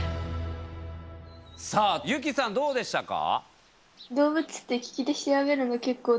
さあ優希さんどうでしたか？